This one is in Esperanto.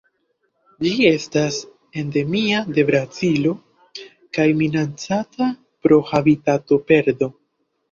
Ĝi estas endemia de Brazilo kaj minacata pro habitatoperdo.